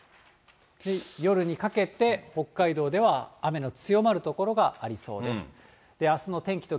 夜にかけて北海道では雨の強まる所がありそうです。